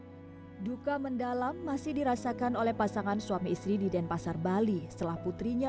hai duka mendalam masih dirasakan oleh pasangan suami istri di denpasar bali setelah putrinya